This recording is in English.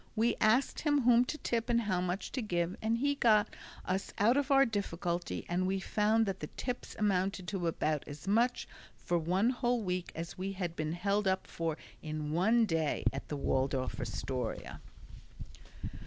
We asked him whom to tip and how much to give, and he got us out of our difficulty and we found that the tips amounted to about as much for one whole week as we had been held up for in one day at the Waldorf Astoria.